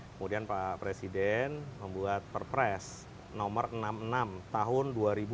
kemudian pak presiden membuat perpres nomor enam puluh enam tahun dua ribu dua puluh